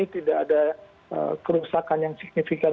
jadi tidak ada kerusakan yang signifikan